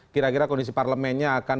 kira kira kondisi parlemennya akan